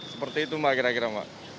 seperti itu mbak kira kira mbak